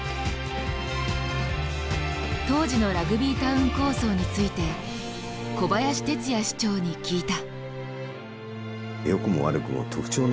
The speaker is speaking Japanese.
当時のラグビータウン構想について小林哲也市長に聞いた。